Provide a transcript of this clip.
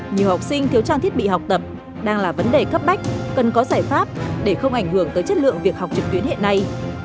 nhiều học sinh thiếu trang thiết bị học tập đang là vấn đề cấp bách cần có giải pháp để không ảnh hưởng tới chất lượng việc học trực tuyến hiện nay